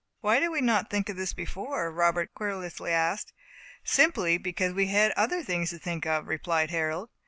"Why did we not think of this before?" Robert querulously asked. "Simply because we had other things to think of," replied Harold.